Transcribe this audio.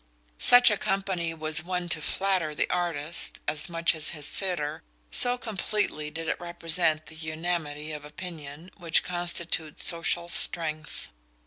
Such a company was one to flatter the artist as much his sitter, so completely did it represent that unamity of opinion which constitutes social strength.